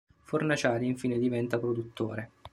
Fornaciari infine diventa produttore.